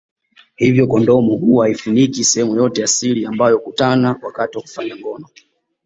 Hivyo kondomu huwa haifuniki sehemu yote ya siri ambayo hukutana wakati wa kufanya ngono